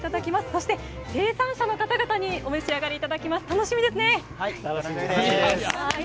そして、生産者の方々にお召し上がりいただきます。